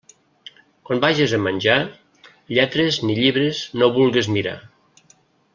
Quan vages a menjar, lletres ni llibres no vulgues mirar.